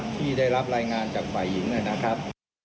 ที่ได้รับรายงานจากฝ่ายหญิงนะครับ